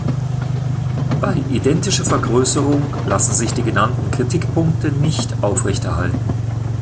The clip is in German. Bei identischer Vergrößerung lassen sich die genannten Kritikpunkte nicht aufrechterhalten.